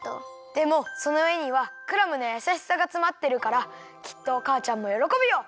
でもそのえにはクラムのやさしさがつまってるからきっとかあちゃんもよろこぶよ。